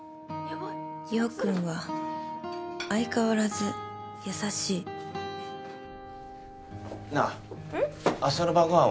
陽君は相変わらず優しいなあ明日の晩ご飯はん？